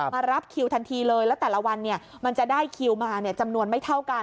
มารับคิวทันทีเลยแล้วแต่ละวันมันจะได้คิวมาจำนวนไม่เท่ากัน